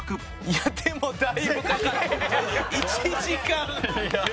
いやでもだいぶかかって１時間。